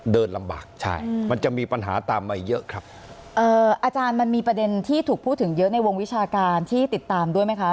เดินลำบากใช่มันจะมีปัญหาตามมาเยอะครับเอ่ออาจารย์มันมีประเด็นที่ถูกพูดถึงเยอะในวงวิชาการที่ติดตามด้วยไหมคะ